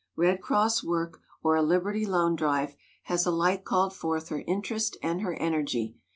Red Cross work or a Liberty Loan drive has alike called forth her interest and her energy.